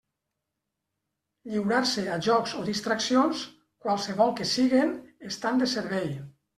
Lliurar-se a jocs o distraccions, qualssevol que siguen, estant de servei.